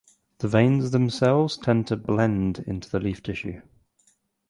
The veins themselves tend to blend into the leaf tissue.